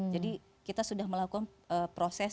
jadi kita sudah melakukan proses